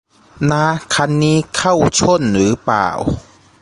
น้า คันนี้เข้าช่นหรือเปล่า